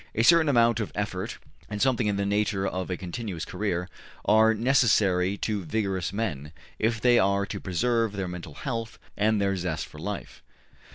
A certain amount of effort, and something in the nature of a continuous career, are necessary to vigorous men if they are to preserve their mental health and their zest for life.